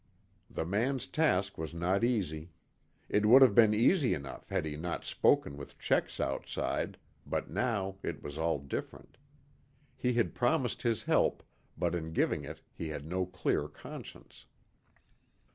The man's task was not easy. It would have been easy enough had he not spoken with Checks outside, but now it was all different. He had promised his help, but in giving it he had no clear conscience.